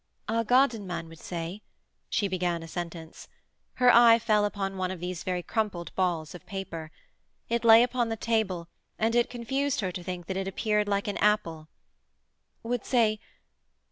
'Our garden man would say ...' she began a sentence. Her eye fell upon one of these very crumpled balls of paper. It lay upon the table and it confused her to think that it appeared like an apple. 'Would say